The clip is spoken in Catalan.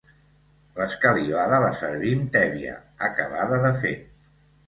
L'escalivada la servim tèbia, acabada de fer.